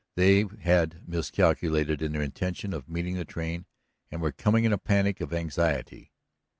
They had miscalculated in their intention of meeting the train, and were coming in a panic of anxiety.